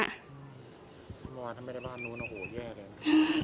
มันทำไมได้บ้านโน้นโอ้โฮแยกเลย